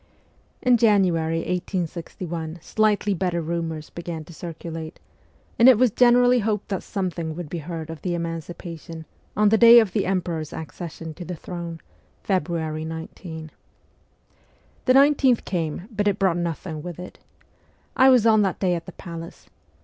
In January 1861 slightly better rumours began to circulate, and it was generally hoped that something would be heard of the emancipation on the day of the emperor's accession to the throne, February 19. The 19th came, but it brought nothing with it. I was on that day at the palace.